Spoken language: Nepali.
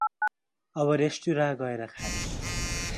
अब रेस्टुराँ गएर खाने।